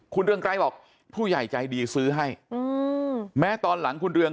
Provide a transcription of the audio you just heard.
คุณเรืองไกรบอกผู้ใหญ่ใจดีซื้อให้อืมแม้ตอนหลังคุณเรือง